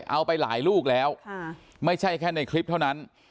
เอาไปหลายลูกแล้วไม่ใช่แค่ในคลิปเท่านั้น